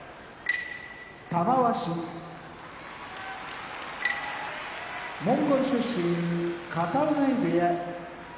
玉鷲モンゴル出身片男波部屋